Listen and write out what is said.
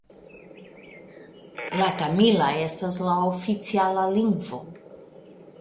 La tamila estas la oficiala lingvo.